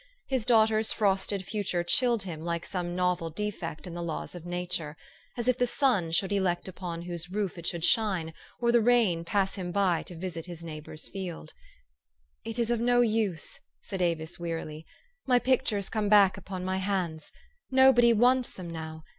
His daugh ter's frosted future chilled Mm like some novel defect in the laws of nature ; as if the sun should elect upon whose roof it should shine, or the rain pass him by to visit his neighbor's field. ." It is of no use," said Avis wearily, " my pictures come back upon my hands. Nobody wants them now.